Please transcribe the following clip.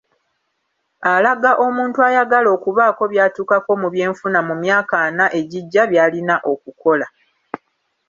Alaga omuntu ayagala okubaako by’atuukako mu byenfuna mu myaka ana egijja by’alina okukola.